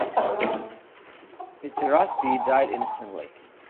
Pettirossi died instantly.